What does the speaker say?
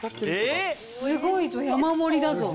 すごいぞ、山盛りだぞ。